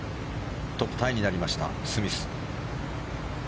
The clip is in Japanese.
トップタイになりましたスミス。